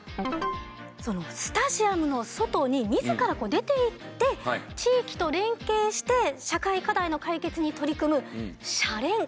スタジアムの外に自ら出ていって地域と連携して社会課題の解決に取り組むシャレン！